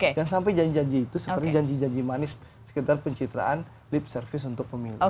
jangan sampai janji janji itu seperti janji janji manis sekitar pencitraan lip service untuk pemilu